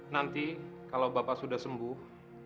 nanti kalau bapak sudah sembuh